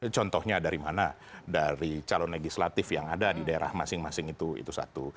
contohnya dari mana dari calon legislatif yang ada di daerah masing masing itu satu